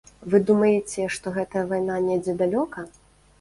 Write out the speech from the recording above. Вы думаеце, што гэтая вайна недзе далёка?